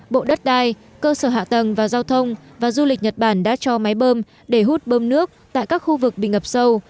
bộ đất đai cơ sở hạ tầng và giao thông và du lịch nhật bản đã cho máy bơm để hút bơm nước tại các khu vực bị ngập sâu